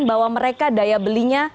bahwa mereka daya belinya